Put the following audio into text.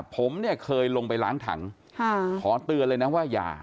ผมเนี่ยเคยลงไปล้างถังขอเตือนเลยนะว่าอย่า